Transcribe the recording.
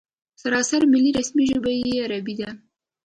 سراسري ملي رسمي ژبه یې عربي ده.